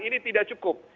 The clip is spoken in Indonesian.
ini tidak cukup